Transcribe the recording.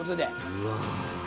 うわ。